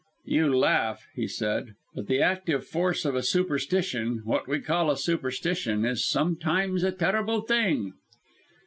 "You laugh," he said, "but the active force of a superstition what we call a superstition is sometimes a terrible thing."